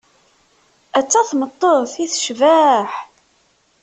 Atta tmeṭṭut i tecbeḥ!